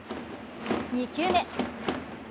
２球目。